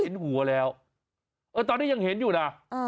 เห็นหัวแล้วตอนนี้ยังเห็นอยู่นะ